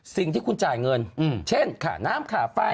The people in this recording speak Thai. สิ่งที่คุณจ่ายเงินเช่นค่าน้ำค่าไฟ